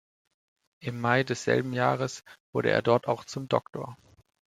Im Mai desselben Jahres wurde er dort auch zum „Dr.